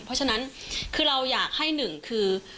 เพราะฉะนั้นคือเราอยากให้หนึ่งคือ